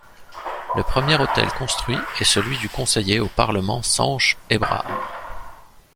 Le premier hôtel construit est celui du conseiller au Parlement Sanche Hébrard.